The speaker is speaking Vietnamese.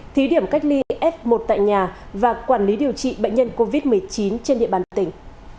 thí điểm cách ly f một tại nhà và quản lý điều trị bệnh nhân covid một mươi chín trên địa bàn tỉnh